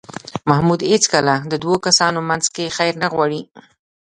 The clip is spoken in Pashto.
محمود هېڅکله د دو کسانو منځ کې خیر نه غواړي.